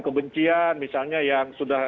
kebencian misalnya yang sudah